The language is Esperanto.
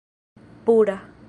pura